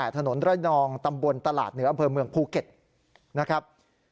ถนนไร่นองตำบลตลาดเหนืออำเภอเมืองภูเก็ตนะครับ